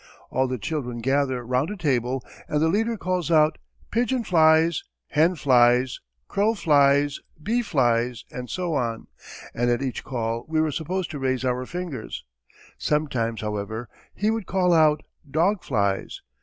All the children gather round a table and the leader calls out "Pigeon Flies! Hen flies! Crow flies! Bee flies!" and so on; and at each call we were supposed to raise our fingers. Sometimes, however, he would call out "Dog flies!